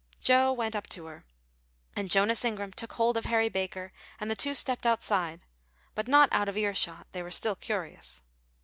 Joe went up to her, and Jonas Ingram took hold of Harry Barker, and the two stepped outside, but not out of ear shot; they were still curious.